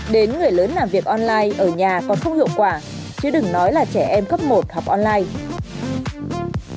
đến người lớn làm việc online ở nhà còn không hiệu quả chứ đừng nói là trẻ em cấp một học online